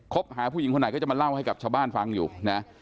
บหาผู้หญิงคนไหนก็จะมาเล่าให้กับชาวบ้านฟังอยู่นะ